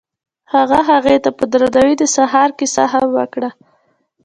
هغه هغې ته په درناوي د سهار کیسه هم وکړه.